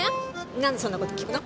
何でそんなこと聞くの？